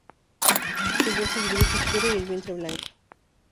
Su dorso es gris oscuro y el vientre blanco.